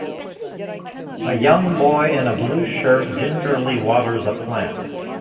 A young boy in a blue shirt gingerly waters a plant